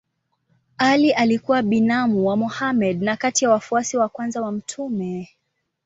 Ali alikuwa binamu wa Mohammed na kati ya wafuasi wa kwanza wa mtume.